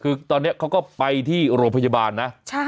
คือตอนนี้เขาก็ไปที่โรงพยาบาลนะ